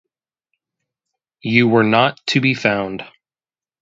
You were not to be found.